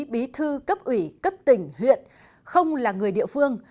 bí thư cấp ủy cấp tỉnh huyện không là người địa phương